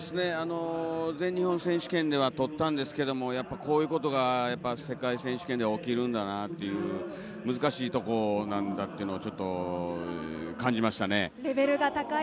全日本選手権では取ったんですけどもこういうことが世界選手権では起きるんだなっていう、難しいところなんだっていうのを感じましたね。